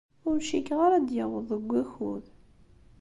Ur cikkeɣ ara ad d-yaweḍ deg wakud.